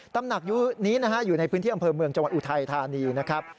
ตำหนักอยู่นี้นะฮะอยู่ในพื้นที่อำเภอเมืองจังหวัดอุทัยธานีนะครับ